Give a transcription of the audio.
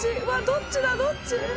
どっちだどっち？